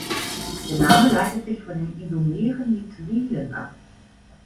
Der Name leitet sich von den isomeren Nitrilen ab.